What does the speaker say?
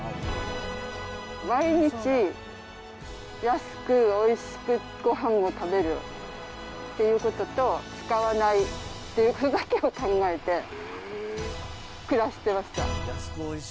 毎日、安くおいしくごはんを食べるっていうことと、使わないっていうことだけを考えて暮らしてました。